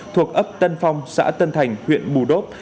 thuộc ấp tân phong xã tân thành huyện bù đốp